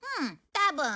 たぶん。